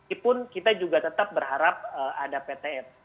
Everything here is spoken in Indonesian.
ipun kita juga tetap berharap ada ptm